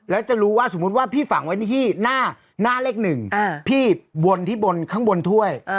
แล้วจะรู้ว่าสมมุติว่าพี่ฝังไว้ที่หน้าเลขหนึ่งพี่วนที่บนข้างบนถ้วย